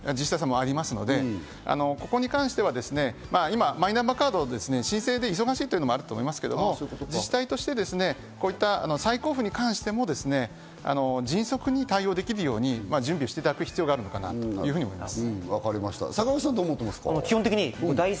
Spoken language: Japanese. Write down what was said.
そういう自治体もあるので、ここに関しては今、マイナンバーカードの申請で忙しいというのはあると思いますけど、自治体として再交付に関しても迅速に対応できるように準備していただく必要があるのかなというふうに思います。